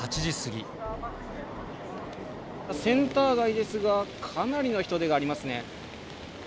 センター街ですが、かなりの人出がありますね。